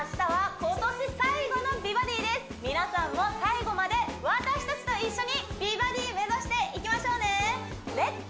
皆さんも最後まで私達と一緒に美バディ目指していきましょうね「レッツ！